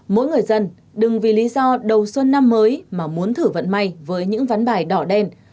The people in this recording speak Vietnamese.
mỗi người dân đừng vì lý do đầu xuân năm mới mà muốn thử vận may với những ván bài đỏ đen